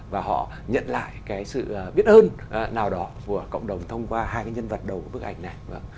và họ nhận lại cái sự biết ơn nào đó của cộng đồng thông qua hai cái nhân vật đầu của bức ảnh này